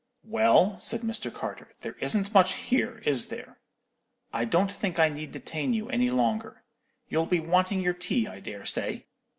"'Well,' said Mr. Carter,' there isn't much here, is there? I don't think I need detain you any longer. You'll be wanting your tea, I dare say.'